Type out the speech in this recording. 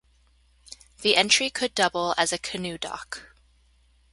The entry could double as a canoe dock.